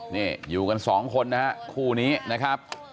นี่อยู่กันสองคนนะฮะคู่นี้นะครับ